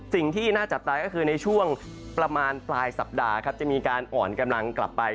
สิ่งที่น่าจับตาก็คือในช่วงประมาณปลายสัปดาห์ครับจะมีการอ่อนกำลังกลับไป